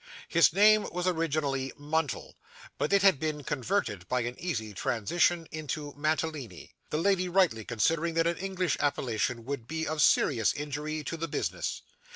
His name was originally Muntle; but it had been converted, by an easy transition, into Mantalini: the lady rightly considering that an English appellation would be of serious injury to the business.